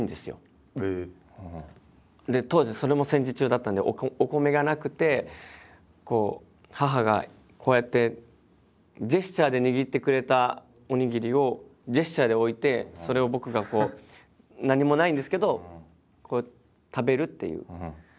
当時それも戦時中だったんでお米がなくて母がこうやってジェスチャーで握ってくれたおにぎりをジェスチャーで置いてそれを僕がこう何もないんですけどこう食べるっていう。